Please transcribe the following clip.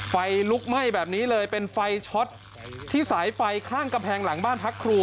ไฟลุกไหม้แบบนี้เลยเป็นไฟช็อตที่สายไฟข้างกำแพงหลังบ้านพักครู